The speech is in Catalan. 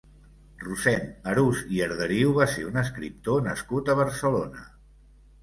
Rossend Arús i Arderiu va ser un escriptor nascut a Barcelona.